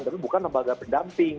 tapi bukan lembaga pendamping